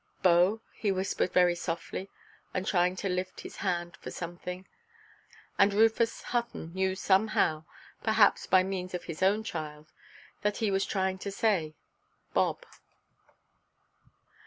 "Bo," he whispered very softly, and trying to lift his hand for something, and Rufus Hutton knew somehow (perhaps by means of his own child) that he was trying to say, "Bob."